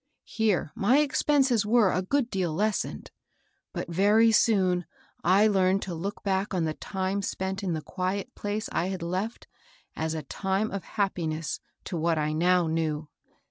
Here my expenses were a good deal lessened; but very soon I learned to look back to the time spent in the quiet place 50 MABEL BOSS. I had left as a time of happiness to what I now knew.